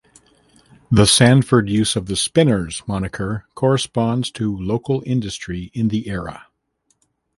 The Sanford use of the "Spinners" moniker corresponds to local industry in the era.